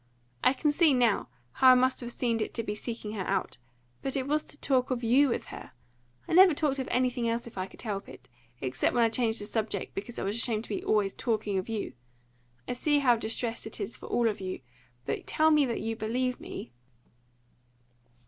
I can see, now, how I must have seemed to be seeking her out; but it was to talk of you with her I never talked of anything else if I could help it, except when I changed the subject because I was ashamed to be always talking of you. I see how distressing it is for all of you. But tell me that you believe me!"